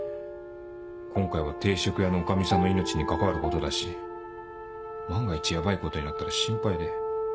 今回は定食屋の女将さんの命に関わることだし万が一ヤバいことになったら心配で。